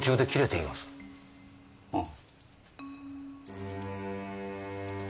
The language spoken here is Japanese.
ああ！